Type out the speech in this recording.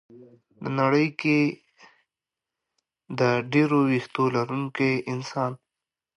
ه نړۍ کې د ډېرو وېښتو لرونکي انسان